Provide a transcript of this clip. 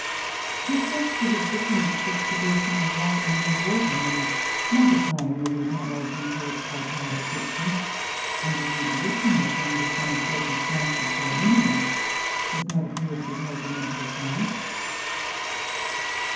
The effect of a different distribution of land and water in modifying the retardation caused by tidal friction, and of reducing it, under some circumstances, to a minimum, does not appear to be taken into account.